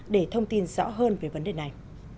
để thông tin rõ hơn về vấn đề này